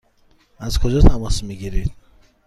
از کجا تماس می گیرید؟